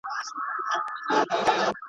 په تېرو اوبو پسي چا يوم نه وي وړی.